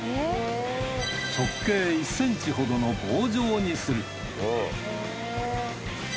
直径１ｃｍほどの棒状にする。